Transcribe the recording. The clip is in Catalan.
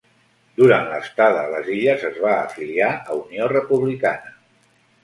Durant l'estada a les illes es va afiliar a Unió Republicana.